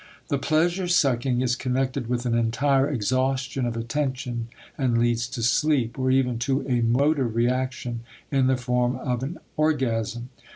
The pleasure sucking is connected with an entire exhaustion of attention and leads to sleep or even to a motor reaction in the form of an orgasm.